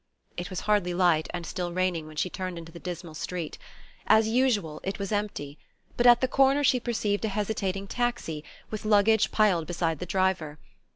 It was hardly light, and still raining, when she turned into the dismal street. As usual, it was empty; but at the corner she perceived a hesitating taxi, with luggage piled beside the driver.